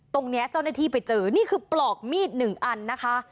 ตรงนี้เจ้าหน้าที่ไปเจอนี่คือปลอกมีดหนึ่งอันนะคะ